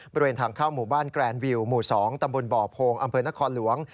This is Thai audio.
บริเวณทางเข้าหมู่บ้านแกรนวิวหมู่๒ตำบลบ่อโพงอำเภอนครหลวง